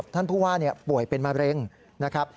ท่านผู้ว่าป่วยเป็นมะเร็งนะครับ